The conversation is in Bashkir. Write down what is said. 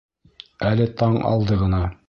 Әле таң алды ғына.